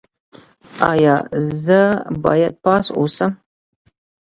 ایا زه باید پاس اوسم؟